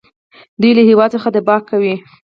دوی له هیواد څخه دفاع کوي.